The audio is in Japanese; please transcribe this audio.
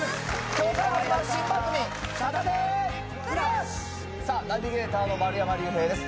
きょうから始まる新番組、サタデープラス！さあ、ナビゲーターの丸山隆平です。